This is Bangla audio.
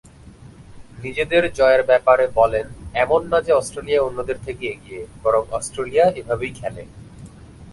নিজেদের জয়ের ব্যাপারে বলেন, "এমন না যে অস্ট্রেলিয়া অন্যদের থেকে এগিয়ে বরং অস্ট্রেলিয়া এভাবেই খেলে"।